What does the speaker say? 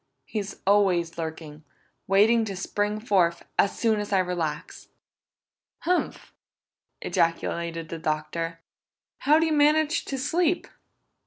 He's always lurking, waiting to spring forth, as soon as I relax!" "Humph!" ejaculated the Doctor. "How do you manage to sleep?"